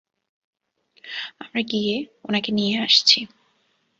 আমরা গিয়ে ওনাকে নিয়ে আসছি।